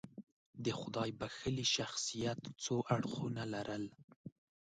د خدای بښلي شخصیت څو اړخونه لرل.